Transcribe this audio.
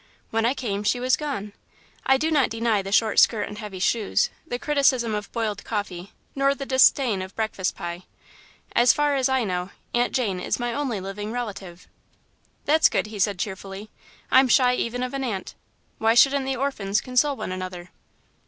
When I came, she was gone. I do not deny the short skirt and heavy shoes, the criticism of boiled coffee, nor the disdain of breakfast pie. As far is I know, Aunt Jane is my only living relative." "That's good," he said, cheerfully; "I'm shy even of an aunt. Why shouldn't the orphans console one another?"